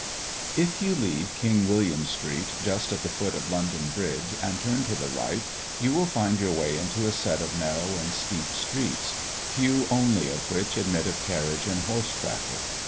If you leave King William street just at the foot of London bridge and turn to the right, you will find your way into a set of narrow and steep streets, few only of which admit of carriage and horse traffic.